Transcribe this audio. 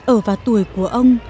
ở vào tuổi của ông